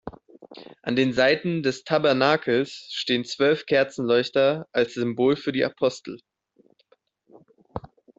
An den Seiten des Tabernakels stehen zwölf Kerzenleuchter als Symbol für die Apostel.